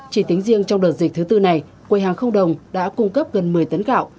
chỉ tính riêng trong đợt dịch thứ tư này quầy hàng không đồng đã cung cấp gần một mươi tấn gạo